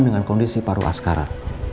dengan kondisi paru askara